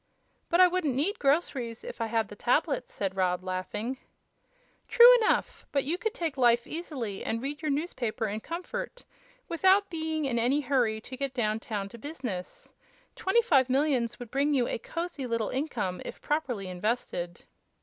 "But I wouldn't need groceries if I had the tablets," said Rob, laughing. "True enough! But you could take life easily and read your newspaper in comfort, without being in any hurry to get down town to business. Twenty five millions would bring you a cozy little income, if properly invested."